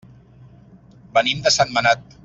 Venim de Sentmenat.